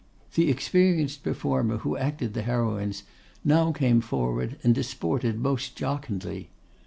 The experienced performer who acted the heroines now came forward and disported most jocundly.